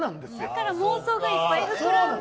だから妄想がいっぱい膨らんで。